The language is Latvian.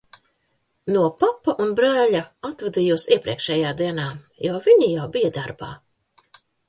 No papa un brāļa atvadījos iepriekšējā dienā, viņi jau bija darbā.